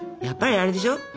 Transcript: やっぱりあれでしょ？